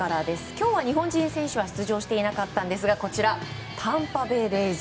今日は日本人選手は出場していなかったんですがこちら、タンパベイ・レイズ。